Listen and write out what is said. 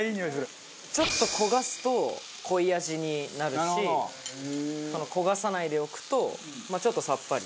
ちょっと焦がすと濃い味になるし焦がさないでおくとちょっとさっぱり。